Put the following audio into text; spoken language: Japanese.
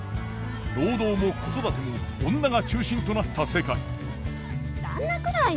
労働も子育ても女が中心となった世界旦那くらいよ。